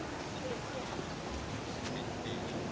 สวัสดีครับทุกคน